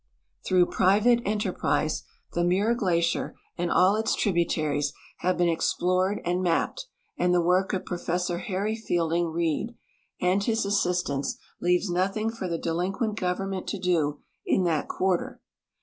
Through private enter prise the Muir glacier and all its tributaries have been explored and mapped, and the work of Professor Harry Fielding Keid and his assistants leaves nothing for the delinquent government to do in that quarter.